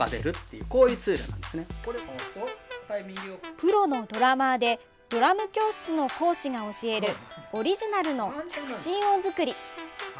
プロのドラマーでドラム教室の講師が教えるオリジナルの着信音作り。